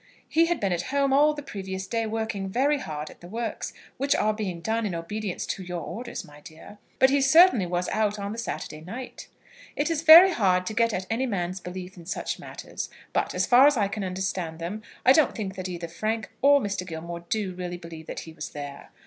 He had been at home all the previous day working very hard at the works, which are being done in obedience to your orders, my dear; but he certainly was out on the Saturday night. It is very hard to get at any man's belief in such matters, but, as far as I can understand them, I don't think that either Frank or Mr. Gilmore do really believe that he was there.